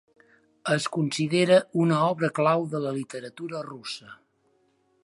Es considera una obra clau de la literatura russa.